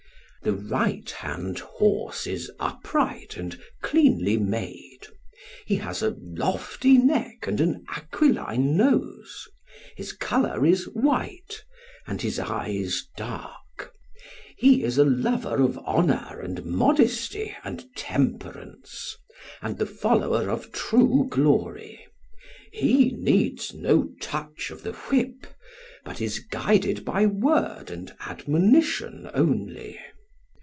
The right hand horse is upright and cleanly made; he has a lofty neck and an aquiline nose; his colour is white, and his eyes dark; he is a lover of honour and modesty and temperance, and the follower of true glory; he needs no touch of the whip, but is guided by word and admonition only.